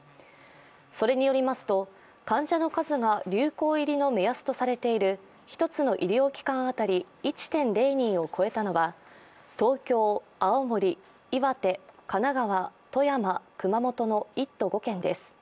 それによりますと、患者の数が流行入りの目安とされている１つの医療機関当たり１．０人を超えたのは東京、青森、岩手、神奈川、富山、熊本の１都５県です。